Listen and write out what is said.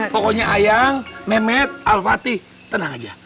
pokoknya ayang mehmet alfati tenang aja